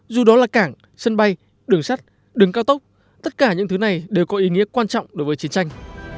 dù đó là cảng sân bay đường sắt đường cao tốc tất cả những thứ này đều có ý nghĩa quan trọng đối với chiến tranh